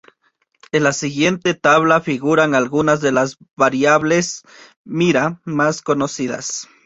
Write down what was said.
En la siguiente tabla figuran algunas de las variables Mira más conocidas.